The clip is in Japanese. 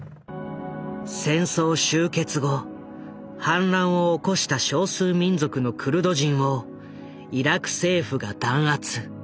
戦争終結後反乱を起こした少数民族のクルド人をイラク政府が弾圧。